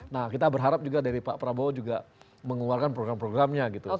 nah kita berharap juga dari pak prabowo juga mengeluarkan program programnya gitu